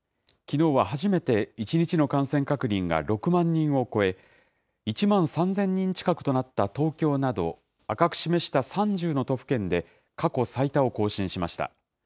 きのうは初めて１日の感染確認が６万人を超え、１万３０００人近くとなった東京など、赤く示した３０の都府県で過去最多を更新しました。